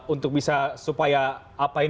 untuk bisa supaya apa ini